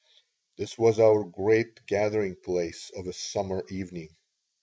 This was our great gathering place of a summer evening.